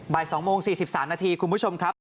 ๒โมง๔๓นาทีคุณผู้ชมครับ